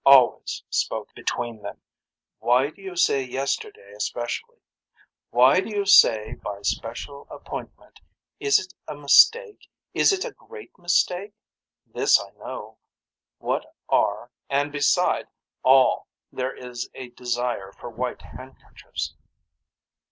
Always spoken. Between them. Why do you say yesterday especially. Why do you say by special appointment is it a mistake is it a great mistake. This I know. What are and beside all there is a desire for white handkerchiefs.